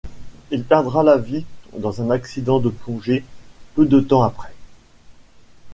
Il perdra la vie dans un accident de plongée peu de temps après.